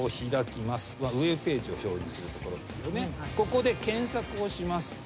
ここで検索をします。